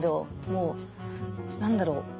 もう何だろう